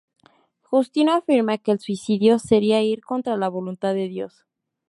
Justino afirma que el suicidio sería ir contra la voluntad de Dios.